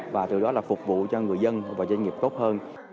và từ đó là phục vụ cho người dân và doanh nghiệp tốt hơn